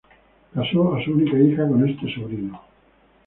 Casó a su única hija con este sobrino.